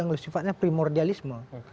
yang sifatnya primordialisme